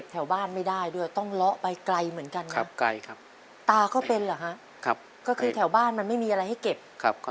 ก็ต้องเลาะไปเรื่อยครับ